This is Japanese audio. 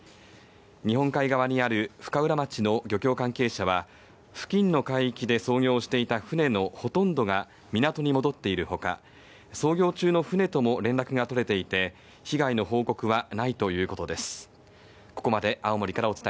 日本海側にある深浦町の漁協関係者は付近の海域で操業していた船のほとんどが港に戻っているほか、操業中の船とも連絡が取れていて、被害の報告はないということです。